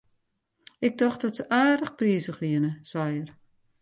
Ik tocht dat se aardich prizich wienen, sei er.